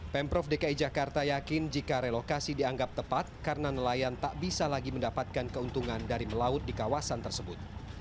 pemprov dki jakarta yakin jika relokasi dianggap tepat karena nelayan tak bisa lagi mendapatkan keuntungan dari melaut di kawasan tersebut